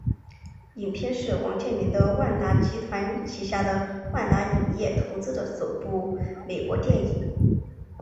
影片是王健林的万达集团旗下的万达影业投资的首部美国电影。